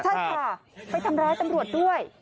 ใช่ค่ะไปทำร้ายตำรวจด้วย